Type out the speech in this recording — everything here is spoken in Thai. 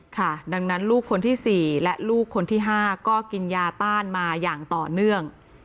ค่ะดังนั้นลูกคนที่๔และลูกคนที่๕ก็กินยาต้านมาอย่างต่อเนื่อง